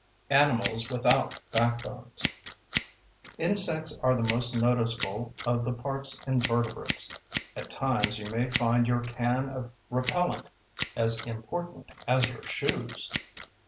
Animals without Backbones Insects are the most noticeable of the park's invertebrates. (At times you may find your can of repellent as important as your shoes!)